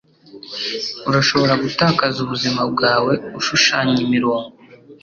Urashobora gutakaza ubuzima bwawe ushushanya imirongo.